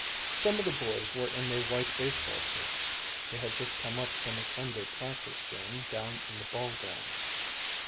Some of the boys were in their white baseball suits; they had just come up from a Sunday practice game down in the ballgrounds.